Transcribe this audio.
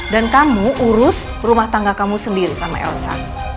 dan kamu urus rumah tangga kamu sendiri sama elsa